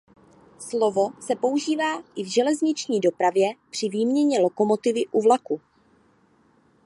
Slovo se používá i v železniční dopravě při výměně lokomotivy u vlaku.